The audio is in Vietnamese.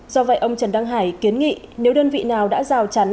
do vậy ông trần đăng hải kiến nghị nếu đơn vị nào đã rào chắn